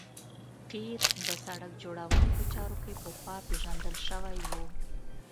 قیر د سرک جوړونې په چارو کې پخوا پیژندل شوی و